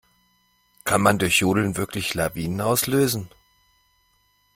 Kann man durch Jodeln wirklich Lawinen auslösen?